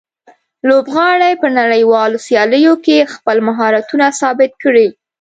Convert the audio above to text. لوبغاړي په نړیوالو سیالیو کې خپل مهارتونه ثابت کړي.